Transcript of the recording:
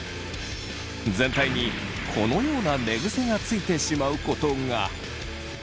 全体にこのような寝ぐせがついてしまうことが。